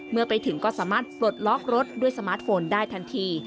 เมื่อไปถึงก็สามารถปลดล็อกรถด้วยสมาร์ทโฟนได้ทันที